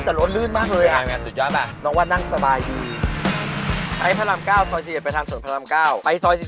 แต่รถลื่นมากเลยอ่านไงสุดยอดล่ะน้องว่านั่งสบายดีใช้พระราม๙ซอย๑๑ไปทางสวนพระราม๙ไปซอย๑๔